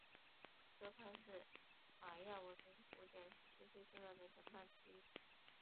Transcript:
科潘是玛雅文明古典时期最重要的城邦之一。